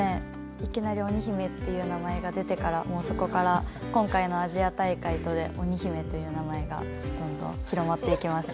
いきなり鬼姫という名前が出てから、そこから今回のアジア大会で鬼姫という名前がどんどん広まっていきました。